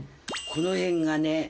この辺がね。